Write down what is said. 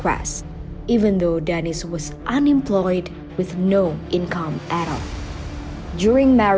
meski dennis tidak berpengaruh dengan keuntungan